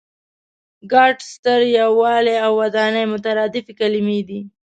ګډ، ستر، یووالی او ودانۍ مترادفې کلمې دي.